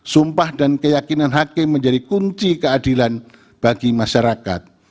sumpah dan keyakinan hakim menjadi kunci keadilan bagi masyarakat